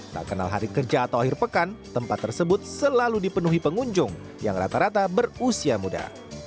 tak kenal hari kerja atau akhir pekan tempat tersebut selalu dipenuhi pengunjung yang rata rata berusia muda